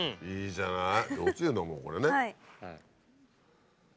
じゃあおつゆ飲もうこれね。